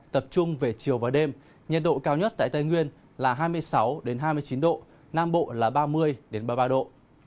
tập trung về chiều và đêm nhiệt độ cao nhất tại tây nguyên là hai mươi sáu hai mươi chín độ nam bộ là ba mươi ba mươi ba độ